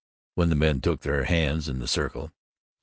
when the men took their hands in the circle.